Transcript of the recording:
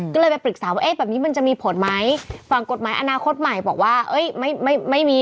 ก็เลยไปปรึกษาว่าเอ๊ะแบบนี้มันจะมีผลไหมฝั่งกฎหมายอนาคตใหม่บอกว่าเอ้ยไม่ไม่ไม่มี